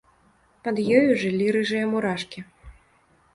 Пад ёю жылі рыжыя мурашкі.